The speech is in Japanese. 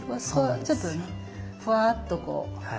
そこがちょっとねフワッとこう。